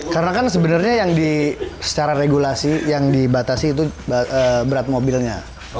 karena kan sebenernya yang secara regulasi yang dibatasi itu berat mobilnya